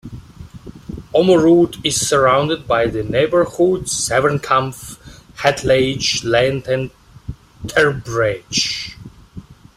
Ommoord is surrounded by the neighbourhoods Zevenkamp, Het Lage Land and Terbregge.